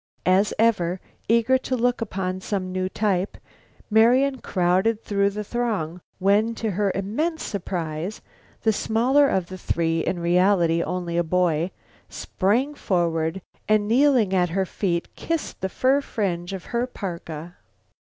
As ever, eager to look upon some new type, Marian crowded through the throng when, to her immense surprise, the smaller of the three, in reality only a boy, sprang forward, and, kneeling at her feet, kissed the fur fringe of her parka.